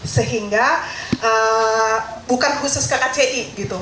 sehingga bukan khusus ke kci